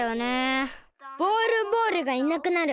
ボール・ボールがいなくなる。